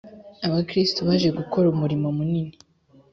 abakristo baje gukora umurimo munini